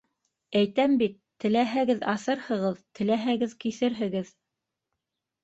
- Әйтәм бит, теләһәгеҙ, аҫырһығыҙ, теләһәгеҙ, киҫерһегеҙ.